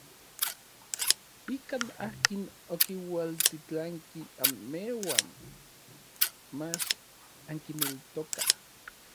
Ikan akin okiualtitlanki anmejuan mach ankineltokaj.